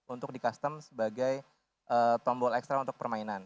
untuk di custom sebagai tombol ekstra untuk permainan